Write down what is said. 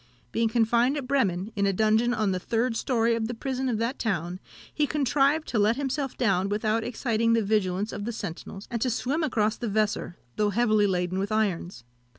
Being confined at Bremen, in a dungeon on the third story of the prison of that town, he contrived to let himself down without exciting the vigilance of the sentinels, and to swim across the Weser, though heavily laden with irons.